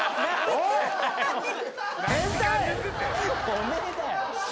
おめぇだよ。